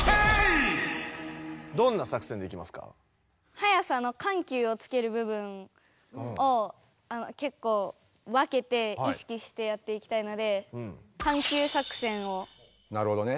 速さのかんきゅうをつける部分をけっこう分けて意識してやっていきたいのでなるほどね。